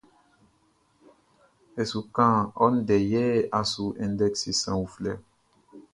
E su kan ɔ ndɛ yɛ a su index sran uflɛ.